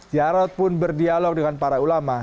jarod pun berdialog dengan para ulama